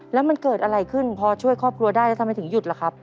แล้วมันเกิดอะไรขึ้นพอช่วยครอบครัวได้แล้วทำไมถึงหยุดล่ะครับ